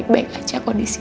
aku baik baik aja kok di sini